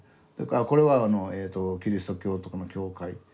それからこれはキリスト教とかの「教会」。